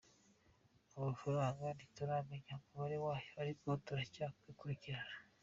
Amafaranga ntituramenya umubare wayo ariko turacyakurikirana.